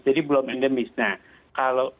jadi belum endemis nah kalau